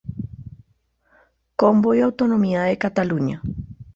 Cambó y la autonomía de Cataluña".